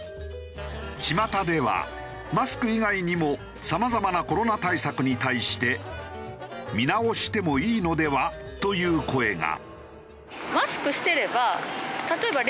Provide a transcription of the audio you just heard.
ちまたではマスク以外にもさまざまなコロナ対策に対して見直してもいいのでは？という声が。